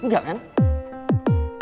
janganlah serang aku